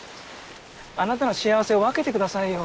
あなたの幸せを分けてくださいよ。